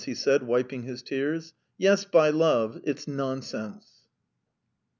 he said, wiping his tears. "Yes, by Jove, it's nonsense!"